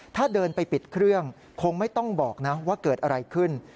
ถ้าเดินไปปิดเครื่องคงไม่ต้องบอกนะว่าเกิดอะไรขึ้น